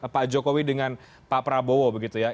pak jokowi dengan pak prabowo begitu ya